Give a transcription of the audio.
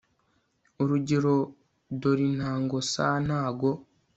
urugerodore intango santango